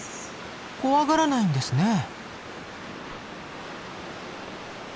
怖がらないんですねえ。